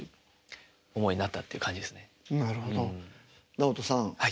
直人さん